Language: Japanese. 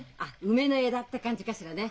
梅の枝って感じかしらね？